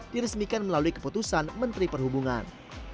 diresmikan melalui keputusan menteri perhubungan